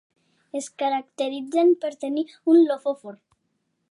Es caracteritzen per tenir un lofòfor.